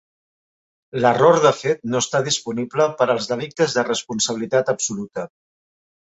L'error de fet no està disponible per als delictes de responsabilitat absoluta.